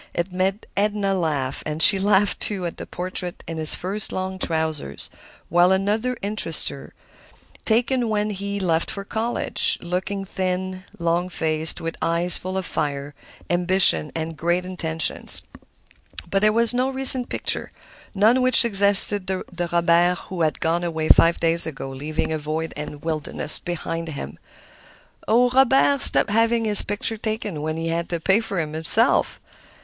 It made Edna laugh, and she laughed, too, at the portrait in his first long trousers; while another interested her, taken when he left for college, looking thin, long faced, with eyes full of fire, ambition and great intentions. But there was no recent picture, none which suggested the Robert who had gone away five days ago, leaving a void and wilderness behind him. "Oh, Robert stopped having his pictures taken when he had to pay for them himself!